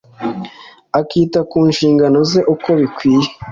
akita ku nshingano ze uko bikwiye